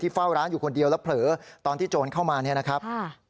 เฝ้าร้านอยู่คนเดียวแล้วเผลอตอนที่โจรเข้ามาเนี่ยนะครับ